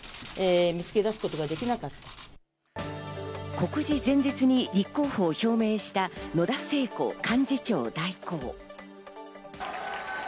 告示前日に立候補を表明した野田聖子幹事長代行。